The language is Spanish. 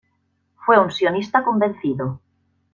Fue un sionista convencido.